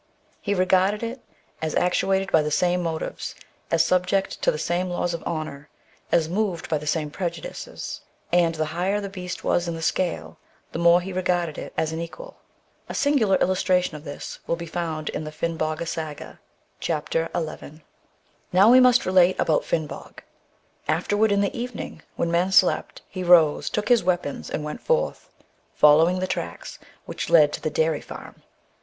He regarded it as actuated by the same motives, as subject to the same laws of honour, as moved by the same prejudices, and 156 THE BOOK OF WERE WOLVES. the higher the heast was in the scale, the more he regarded it as an equal. A singular illustration of this will he found in the Finnhoga Saga, c. xi. Now we must relate ahout Finnhog. Afterward in the evening, when men slept, he rose, took his weapons, and went forth, following the tracks which led to the dairy farm.